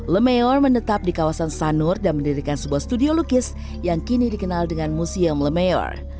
le mayor menetap di kawasan sanur dan mendirikan sebuah studio lukis yang kini dikenal dengan museum le mayor